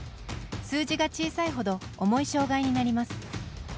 数字が小さいほど重い障がいになります。